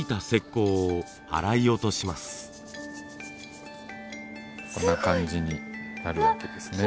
こんな感じになるわけですね。